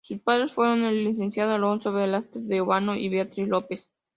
Sus padres fueron el licenciado Alonso Velásquez de Ovando y Beatriz López.